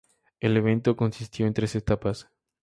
El evento consistió en tres etapas.